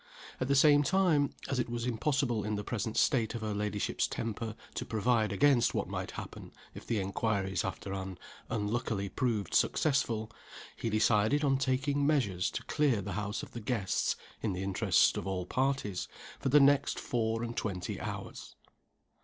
At the same time as it was impossible, in the present state of her ladyship's temper, to provide against what might happen if the inquiries after Anne unluckily proved successful he decided on taking measures to clear the house of the guests (in the interests of all parties) for the next four and twenty hours.